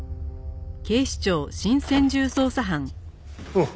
おう。